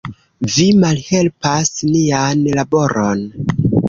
Vi malhelpas nian laboron.